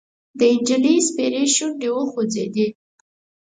د نجلۍ سپېرې شونډې وخوځېدې: